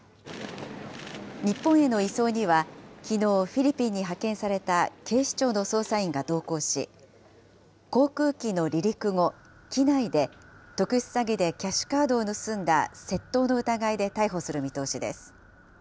日本への移送には、きのう、フィリピンに派遣された警視庁の捜査員が同行し、航空機の離陸後、機内で、特殊詐欺でキャッシュカードを盗んだ窃盗の疑いで逮捕する見通しです。